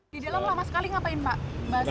di dalam lama sekali ngapain pak